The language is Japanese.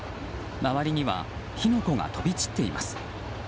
周りには火の粉が飛び散っています。